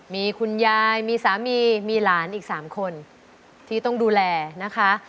มีคุณยายมีสามีมีหลานอีก๓คนที่ต้องดูแลนะคะ